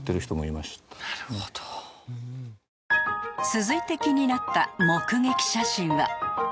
続いて気になった目ゲキ写真は